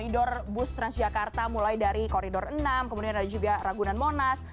di depan kantor bus transjakarta mulai dari koridor enam kemudian ada juga ragunan monas